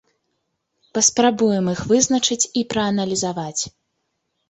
Паспрабуем іх вызначыць і прааналізаваць.